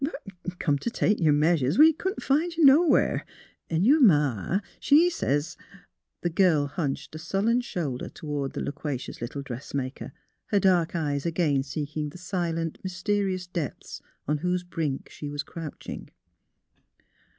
But come t' take your measures, we couldn't find you nowhere; an' your ma in law, she sez. ..." The girl hunched a sullen shoulder toward the loquacious little dressmaker, her dark eyes again seeking the silent, mysterious depths on whose brink she was crouching.